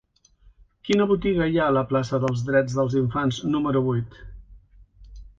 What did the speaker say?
Quina botiga hi ha a la plaça dels Drets dels Infants número vuit?